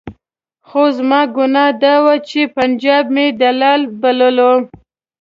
خو زما ګناه دا وه چې پنجاب مې دلال بللو.